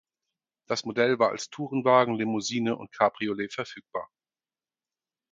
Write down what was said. Das Modell war als Tourenwagen, Limousine und Cabriolet verfügbar.